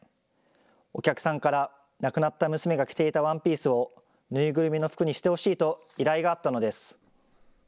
お客さんから亡くなった娘が着ていたワンピースを縫いぐるみの服にしてほしいと依頼があったのです。